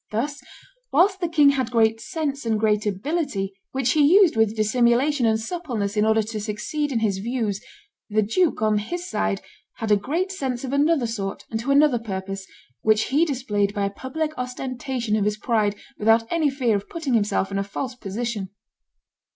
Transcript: Thus, whilst the king had great sense and great ability, which he used with dissimulation and suppleness in order to succeed in his views, the duke, on his side, had a great sense of another sort and to another purpose, which he displayed by a public ostentation of his pride, without any fear of putting himself in a false position."